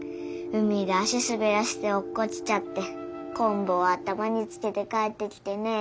海で足すべらせておっこちちゃってこんぶを頭につけて帰ってきてね。